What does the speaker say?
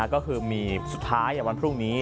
ก็คือมีสุดท้ายในวันพรุ่งนี้